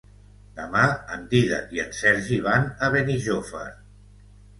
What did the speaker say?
Demà en Dídac i en Sergi van a Benijòfar.